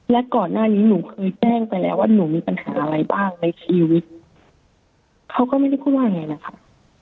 และก่อนหน้านี้หนูเคยแจ้งไปแล้วว่าหนูมีปัญหาอะไรบ้างในชีวิตเขาก็ไม่ได้พูดว่าไงนะคะ